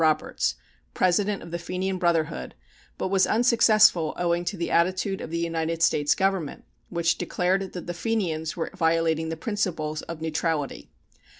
Roberts, president of the Fenian Brotherhood, but was unsuccessful owing to the attitude of the United States Government, which declared that the Fenians were violating the principles of neutrality.